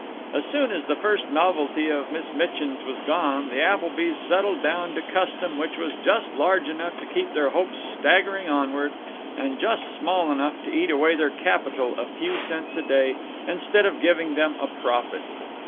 As soon as the first novelty of Miss Mitchin's was gone, the Applebys settled down to custom which was just large enough to keep their hopes staggering onward, and just small enough to eat away their capital a few cents a day, instead of giving them a profit.